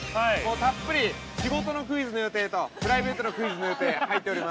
たっぷり仕事のクイズの予定とプライベートのクイズの予定入っております。